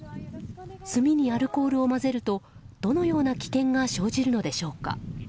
炭にアルコールを混ぜるとどのような危険が生じるのでしょうか。